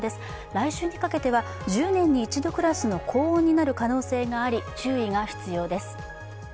来週にかけては１０年に一度クラスの高温になる可能性があり注意が必要です。